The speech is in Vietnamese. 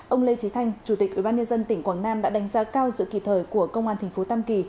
ông lê trí thanh chủ tịch ubnd tỉnh quảng nam đã đánh giá cao giữa kỳ thời của công an tp tâm kỳ